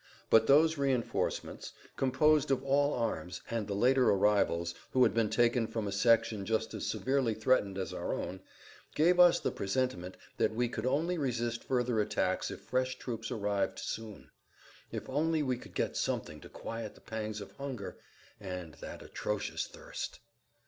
But those reinforcements composed of all arms, and the later arrivals, who had been taken from a section just as severely threatened as our own, gave us the presentiment that we could only resist further attacks if fresh troops arrived soon. If only we could get something to quiet the pangs of hunger and that atrocious thirst!